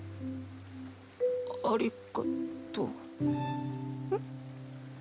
ありがとう。